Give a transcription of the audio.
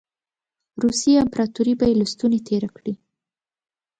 روسیې امپراطوري به یې له ستوني تېره کړي.